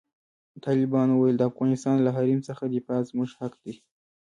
طالبانو وویل، د افغانستان له حریم څخه دفاع زموږ حق دی.